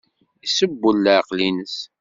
Isewwel leɛqel-nnes.